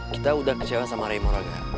kita udah kecewa sama ray moraga